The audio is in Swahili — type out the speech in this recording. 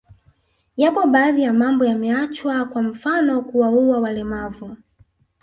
Yapo baadhi ya mambo yameachwa kwa mfano kuwaua walemavu